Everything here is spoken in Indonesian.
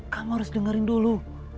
kamu harus dengerin dulu